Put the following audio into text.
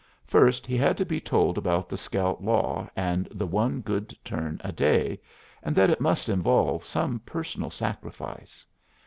First, he had to be told about the scout law and the one good turn a day, and that it must involve some personal sacrifice.